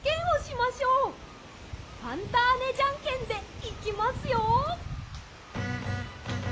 ファンターネジャンケンでいきますよ。